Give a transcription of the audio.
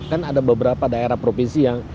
kan ada beberapa daerah provinsi yang